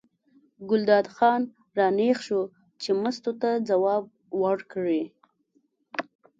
ګلداد خان را نېغ شو چې مستو ته ځواب ورکړي.